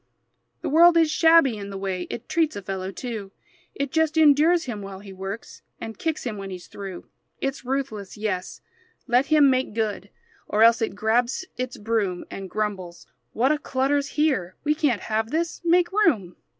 The world is shabby in the way It treats a fellow too; It just endures him while he works, And kicks him when he's through. It's ruthless, yes; let him make good, Or else it grabs its broom And grumbles: "What a clutter's here! We can't have this. Make room!"